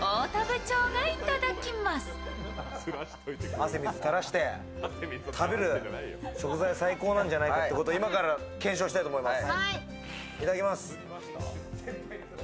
汗水垂らして食べる食材は最高なんじゃないかということを今から検証したいと思います。